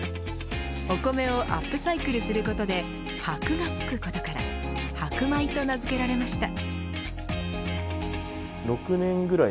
お米をアップサイクルすることで箔がつくことから箔米と名付けられました。